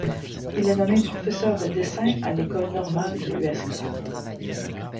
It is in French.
Il est nommé professeur de dessin à l'école normale de Huesca.